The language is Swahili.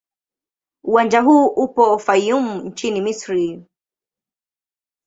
Uwanja huu upo Fayoum nchini Misri.